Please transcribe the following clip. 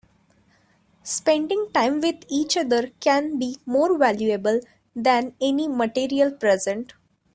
Spending time with each other can be more valuable than any material present.